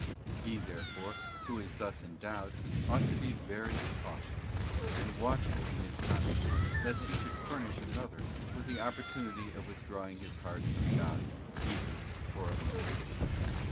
He therefore, who is thus endowed, ought to be very cautious, and watchful in his conduct, lest he should furnish another with the opportunity of withdrawing his heart from God even for a moment.